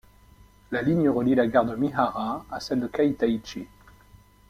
La ligne relie la gare de Mihara à celle de Kaitaichi.